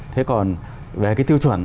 thế còn về cái tiêu chuẩn